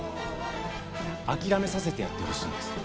諦めさせてやってほしいんです。